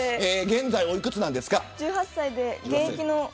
現在お幾つなんですか。